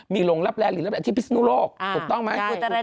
มีลงรับแรงที่พิษณุโรคถูกต้องไหม